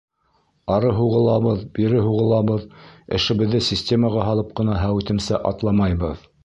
Ары һуғылабыҙ, бире һуғылабыҙ, эшебеҙҙе системаға һалып ҡына һәүетемсә атламайбыҙ.